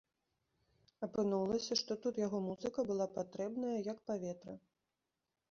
Апынулася, што тут яго музыка была патрэбная, як паветра.